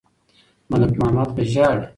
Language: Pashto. ملک محمد به ژاړي.